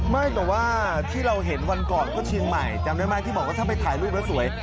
ไม่แต่ว่าที่เราเห็นวันก่อนก็เชียงใหม่จำได้ไหมที่บอกว่าถ้าไปถ่ายรูปแล้วสวย